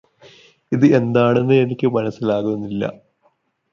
ഇത് എന്താണെന്നു എനിക്ക് മനസ്സിലാകുന്നില്ല